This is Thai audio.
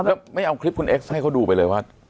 แล้วไม่เอาคลิปคุณเอ็กซ์ให้เขาดูไปเลยว่า